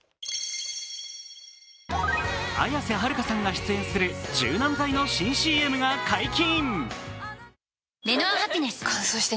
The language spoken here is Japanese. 綾瀬はるかさんが出演する柔軟剤の新ＣＭが解禁。